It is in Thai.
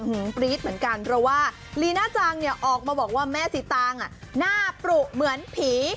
ปรี๊ดเหมือนกันเพราะว่าลีน่าจังเนี่ยออกมาบอกว่าแม่สีตางอ่ะหน้าปรุเหมือนผี